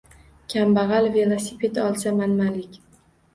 Kambag’al velosiped olsa-manmanlik.